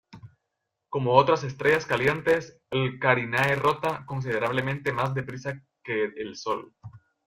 Como otras estrellas calientes, I Carinae rota considerablemente más deprisa que el Sol.